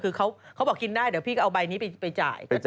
คือเขาบอกกินได้เดี๋ยวพี่ก็เอาใบนี้ไปจ่าย